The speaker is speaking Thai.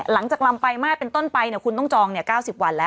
ลำปลายมาตรเป็นต้นไปคุณต้องจอง๙๐วันแล้ว